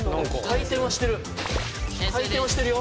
回転はしてるよ。